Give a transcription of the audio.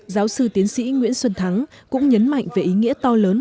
giáo sư tiến sĩ nguyễn xuân thắng cũng nhấn mạnh về ý nghĩa to lớn